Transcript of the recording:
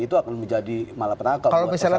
itu akan menjadi malah penaklukan kalau misalnya